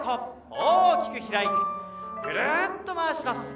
大きく開いてぐるっと回します。